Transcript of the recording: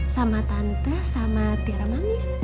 sama tante sama tiara mamis